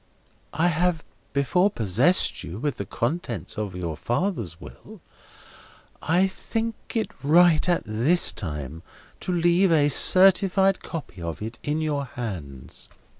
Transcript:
I have before possessed you with the contents of your father's will, I think it right at this time to leave a certified copy of it in your hands.